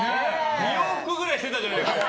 ２往復ぐらいしてたじゃないか！